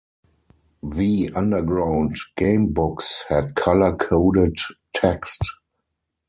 The Underground game books had color-coded text.